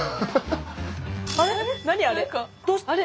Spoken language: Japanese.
あれ？